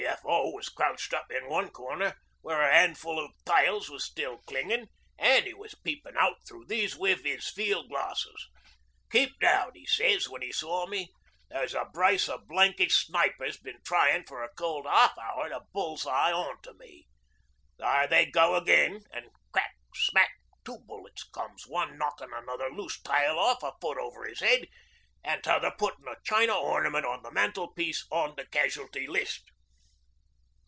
The F.O. was crouched up in one corner where a handful o' tiles was still clingin', an' he was peepin' out through these with 'is field glasses. "Keep down," 'e sez when 'e saw me. "There's a brace o' blanky snipers been tryin' for a cold 'alf hour to bull's eye on to me. There they go again ," an' crack ... smack two bullets comes, one knockin' another loose tile off, a foot over 'is 'ead, an' t'other puttin' a china ornament on the mantel piece on the casualty list.